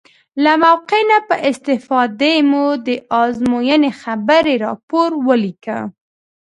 له موقع نه په استفادې مو د ازموینې خبري راپور ولیکه.